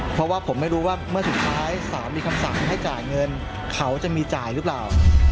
เพราะว่าผมไม่รู้ว่าเมื่อสุดท้ายศาลมีคำสั่งให้จ่ายเงินเขาจะมีจ่ายหรือเปล่า